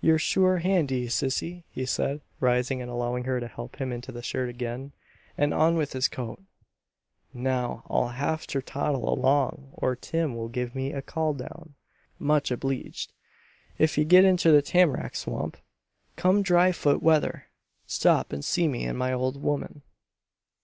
"You're sure handy, Sissy," he said, rising and allowing her to help him into the shirt again and on with his coat. "Now I'll hafter toddle along or Tim will give me a call down. Much obleeged. If ye get inter the tam'rack swamp, come dry foot weather, stop and see me an' my old woman."